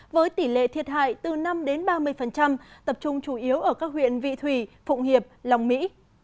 với tỷ lệ thiệt hại từ năm đến ba mươi tập trung chủ yếu ở các huyện vị thủy phụng hiệp lòng mỹ